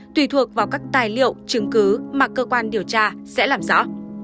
tùy thuộc vào các tài liệu chứng cứ mà cơ quan điều tra sẽ làm rõ